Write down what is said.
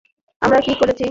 আমরা কি করেছি?